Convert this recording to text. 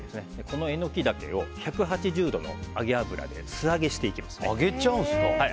このエノキダケを１８０度の揚げ油で素揚げしていきます。